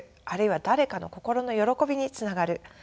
あるいは誰かの心の歓びにつながる。